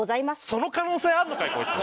その可能性あんのかいこいつ。